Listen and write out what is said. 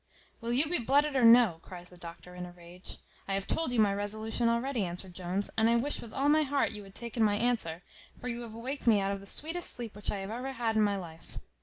"Will you be blooded or no?" cries the doctor, in a rage. "I have told you my resolution already," answered Jones, "and I wish with all my heart you had taken my answer; for you have awaked me out of the sweetest sleep which I ever had in my life."